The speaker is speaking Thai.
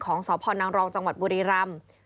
ของสพนังรองจังหวัดบุรีรำ